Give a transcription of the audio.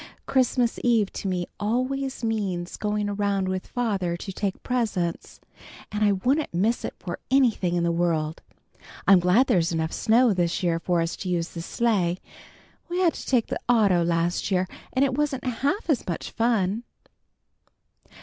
"Christmas eve to me always means going around with father to take presents, and I wouldn't miss it for anything in the world. I'm glad there's enough snow this year for us to use the sleigh. We had to take the auto last year, and it wasn't half as much fun."